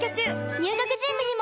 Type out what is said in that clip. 入学準備にも！